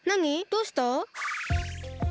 どうした？